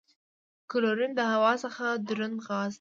کلورین د هوا څخه دروند غاز دی.